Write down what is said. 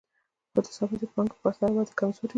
خو د ثابتې پانګې په پرتله یې وده کمزورې وي